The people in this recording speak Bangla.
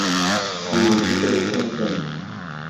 জ্বি, ঠিকই শুনেছেন।